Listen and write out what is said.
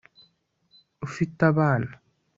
ufite abana